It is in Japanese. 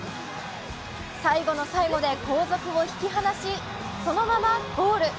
最後の最後で後続を引き離し、そのままゴール。